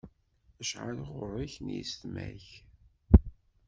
Acḥal ɣur-k n yisetma-k?